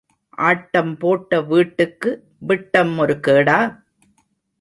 ஆட்டம் போட்ட வீட்டுக்கு விட்டம் ஒரு கேடா?